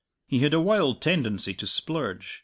He had a wild tendency to splurge.